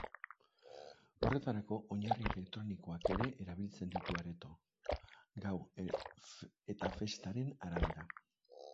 Horretarako, oinarri elektronikoak ere erabiltzen ditu areto, gau etafestaren arabera.